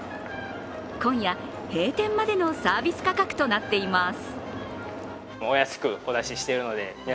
今夜、閉店までのサービス価格となっています。